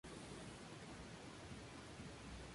El estadio Dr. Miguel Pascual Soler se construyó en ese lugar.